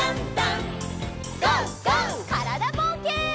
からだぼうけん。